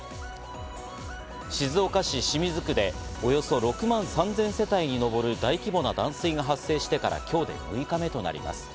静岡市清水区でおよそ６万３０００世帯に上る大規模な断水が発生してから今日で６日目となります。